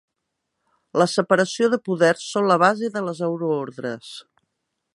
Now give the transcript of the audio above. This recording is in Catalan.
La separació de poders són la base de les euroordres